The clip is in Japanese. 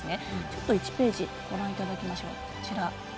ちょっと１ページご覧いただきましょう。